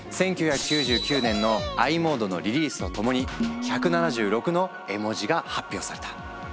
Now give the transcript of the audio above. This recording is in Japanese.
１９９９年の「ｉモード」のリリースと共に１７６の絵文字が発表された。